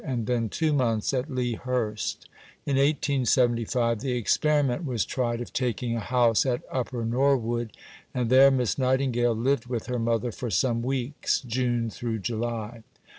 and then two months at Lea Hurst. In 1875 the experiment was tried of taking a house at Upper Norwood, and there Miss Nightingale lived with her mother for some weeks (June July).